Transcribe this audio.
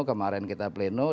kemarin kita pelenuh